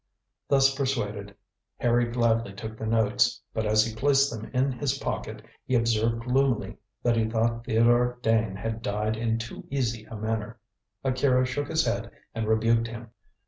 Thus persuaded, Harry gladly took the notes, but as he placed them in his pocket he observed gloomily that he thought Theodore Dane had died in too easy a manner. Akira shook his head and rebuked him.